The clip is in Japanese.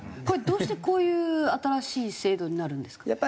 これどうしてこういう新しい制度になるんですか？